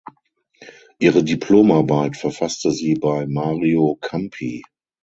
Ihre Diplomarbeit verfasste sie bei Mario Campi.